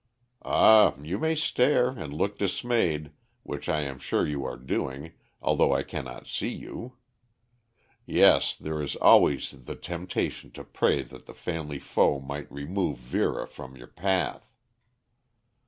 Ah, you may stare and look dismayed, which I am sure you are doing although I cannot see you. Yes, there is always the temptation to pray that the family foe might remove Vera from your path."